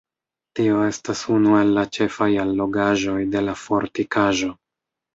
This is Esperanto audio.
Tio estas unu el la ĉefaj allogaĵoj de la fortikaĵo.